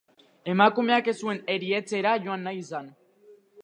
Emakumeak ez zuen erietxera joan nahi izan.